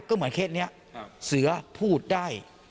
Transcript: ก็เหมือนเคสนี้เสือพูดได้